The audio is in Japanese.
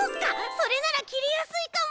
それならきりやすいかも！